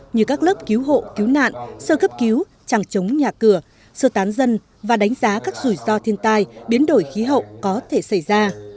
như các lớp cứu hộ cứu nạn sơ cấp cứu chẳng chống nhà cửa sơ tán dân và đánh giá các rủi ro thiên tai biến đổi khí hậu có thể xảy ra